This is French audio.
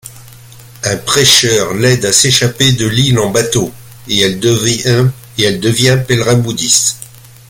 Un prêcheur l'aide à s'échapper de l'île en bateau et elle devient pèlerin bouddhiste.